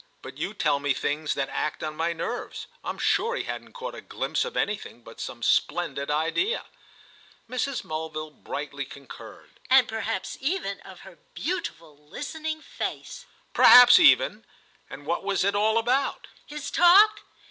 But you tell me things that act on my nerves. I'm sure he hadn't caught a glimpse of anything but some splendid idea." Mrs. Mulville brightly concurred. "And perhaps even of her beautiful listening face." "Perhaps even! And what was it all about?" "His talk?